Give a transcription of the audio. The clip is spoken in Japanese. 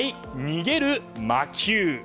逃げる魔球。